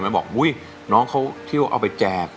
มันบอกอุ๊ยน้องเขาที่ว่าเอาไปแจก